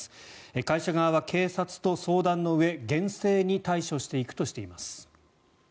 会社側は警察と相談のうえ厳正に対処していくとしています。